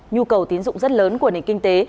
nhu cầu tín dụng rất lớn của nền kinh tế